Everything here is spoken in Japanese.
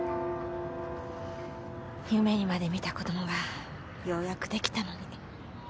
夢にまで見た子供がようやくできたのに。